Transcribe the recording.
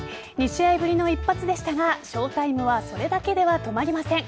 ２試合ぶりの一発でしたがショータイムはそれだけでは止まりません。